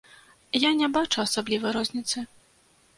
Я не бачу асаблівай розніцы.